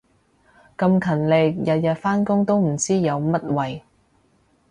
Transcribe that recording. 咁勤力日日返工都唔知有乜謂